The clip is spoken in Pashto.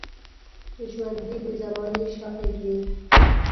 ژوندي د زمانې شاهد وي